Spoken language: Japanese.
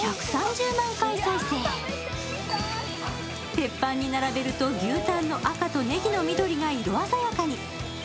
鉄板に並べると牛たんの赤と緑のねぎが色鮮やかに。